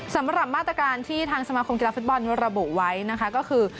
สำหรับมาตรการที่ทางสมาคมกีฬาฟุตบอลระบุไว้นะคะก็คือ